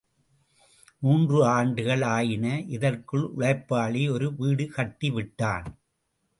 மூன்று ஆண்டுகள் ஆயின, இதற்குள் உழைப்பாளி ஒரு வீடு கட்டிவிட்டான்.